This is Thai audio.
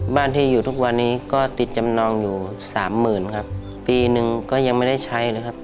บ้านที่อยู่ทุกวันนี้ก็ติดจำนองอยู่สามหมื่นครับปีหนึ่งก็ยังไม่ได้ใช้เลยครับ